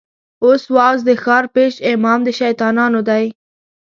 اوس واعظ د ښار پېش امام د شيطانانو دی